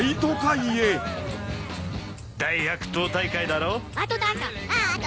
大悪党大会だろ？